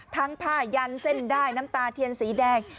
ทั้งผ้ายันเส้นด้ายน้ำตาเทียนสีแดง